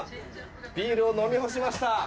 ビールを飲み干しました！